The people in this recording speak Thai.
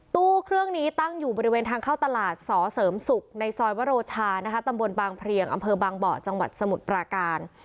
ตู้เครื่องนี้ตั้งอยู่บริเวณทางเข้าตลาดสอเสริมศุกร์ในซอยวโรชานะคะตำบลบางเพลียงอำเภอบางบ่อจังหวัดสมุทรปราการ